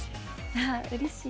あうれしい。